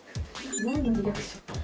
何のリアクション。